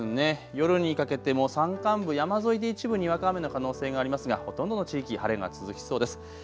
夜にかけても山間部、山沿いで一部にわか雨の可能性がありますがほとんどの地域、晴れが続きそうです。